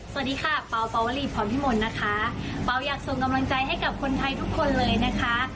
สวัสดีค่ะเปล่าปาวลีพรพิมลนะคะเปล่าอยากส่งกำลังใจให้กับคนไทยทุกคนเลยนะคะ